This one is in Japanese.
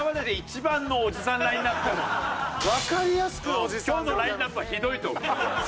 今日のラインナップはひどいと思う。